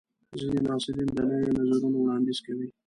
ځینې محصلین د نویو نظرونو وړاندیز کوي.